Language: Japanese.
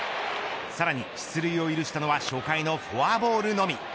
さらに出塁を許したのは初回のフォアボールのみ。